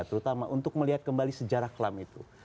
terutama untuk melihat kembali sejarah kelam itu